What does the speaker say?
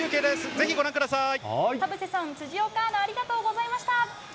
ぜひご覧ください。